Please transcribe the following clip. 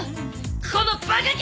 このバカケ！